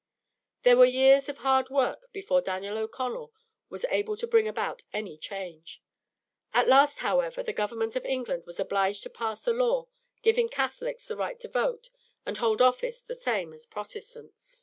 There were years of hard work before Daniel O'Connell was able to bring about any change. At last, however, the government of England was obliged to pass a law giving Catholics the right to vote and hold office the same as Protestants.